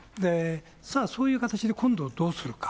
さあ、そういう形で、今度どうするか。